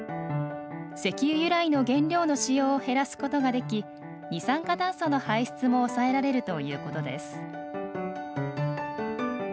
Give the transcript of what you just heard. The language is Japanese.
石油由来の原料の使用を減らすことができ二酸化炭素の排出も抑えられるということです。